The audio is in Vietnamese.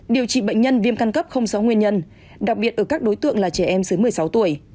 điều trị bệnh nhân viêm căn cấp không rõ nguyên nhân đặc biệt ở các đối tượng là trẻ em dưới một mươi sáu tuổi